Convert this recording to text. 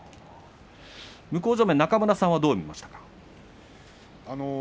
向正面の中村さんはどう見ましたか。